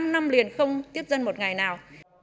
năm năm liền không tiếp dân một ngày nào